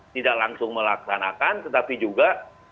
tidak langsung melaksanakan tetapi juga